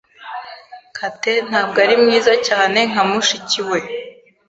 Kate ntabwo ari mwiza cyane nka mushiki we.